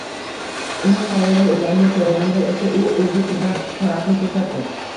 Uyi qaerda ekanini so`raganida esa u o`zi turgan tarafni ko`rsatdi